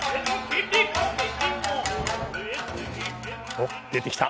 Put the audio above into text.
おっ出てきた。